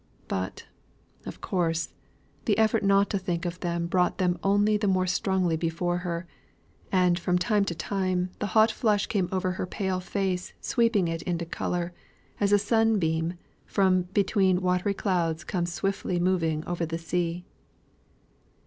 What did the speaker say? But, of course, the effort not to think of them brought them only the more strongly before her; and from time to time, the hot flush came over her pale face sweeping it into colour, as a sunbeam from between watery clouds comes swiftly moving over the sea.